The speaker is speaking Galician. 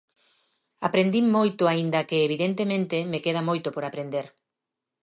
Aprendín moito aínda que, evidentemente, me queda moito por aprender.